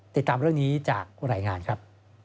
ติดตามเรื่องนี้จากรายงานครับ